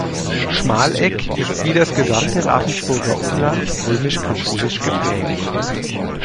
Schmalegg ist wie das gesamte Ravensburger Umland römisch-katholisch geprägt.